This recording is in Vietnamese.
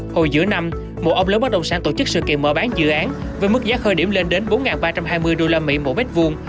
hồi giữa năm một ông lớn bất động sản tổ chức sự kiện mở bán dự án với mức giá khơi điểm lên đến bốn ba trăm hai mươi usd mỗi mét vuông